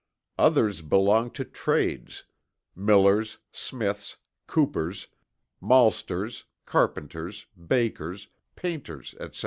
Others belonged to trades Millers, Smiths, Coopers, Maltsters, Carpenters, Bakers, Painters, etc.